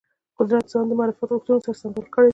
قدرت ځان د معرفت غوښتنو سره سمبال کړی دی